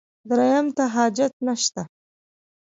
درېیم ته حاجت نشته.